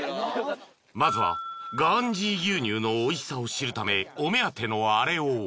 ［まずはガーンジィ牛乳のおいしさを知るためお目当てのあれを］